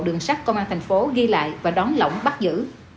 đường sát công an tp hcm ghi lại và đón lỏng bắt giữ